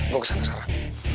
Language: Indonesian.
gue kesana sekarang